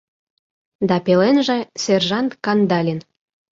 Да пеленже — сержант Кандалин.